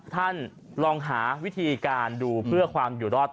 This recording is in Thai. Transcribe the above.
ท่านลองหาวิธีการดูเพื่อความอยู่รอด